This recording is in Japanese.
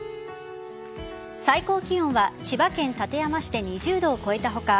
最高気温は千葉県館山市で２０度を超えた他